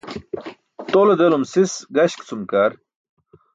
Tole delum sis gaśk cum ke ar.